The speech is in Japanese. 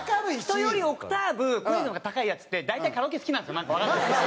人よりオクターブ声の高いヤツって大体カラオケ好きなんですよなんかわかんないけど。